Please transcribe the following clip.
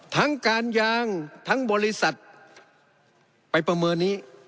ทั้งการยางทั้งบริษัทไปประเมินนี้